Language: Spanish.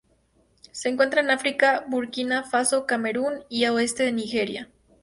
Se encuentran en África: Burkina Faso, Camerún y oeste de Nigeria.